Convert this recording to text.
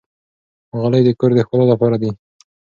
غالۍ د کور د ښکلا لپاره دي.